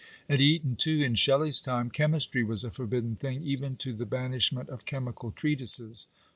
At Eton, too, in Shelley's time, " Chemistry was a forbidden thing/' even to the banish ment of chemical treatises.